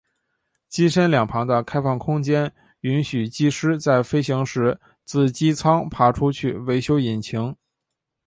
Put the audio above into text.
机身两旁的开放空间允许技师在飞行时自机舱爬出去维修引擎。